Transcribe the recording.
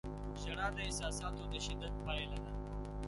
• ژړا د احساساتو د شدت پایله ده.